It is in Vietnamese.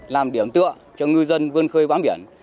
làm điểm tựa cho ngư dân vươn khơi bán biển